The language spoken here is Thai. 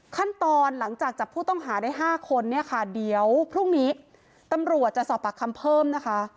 ขั้นตอนหลังจากจับผู้ต้องหาได้๕คนเนี่ยค่ะเดี๋ยวพรุ่งนี้ตำรวจจะสอบปากคำเพิ่มนะคะ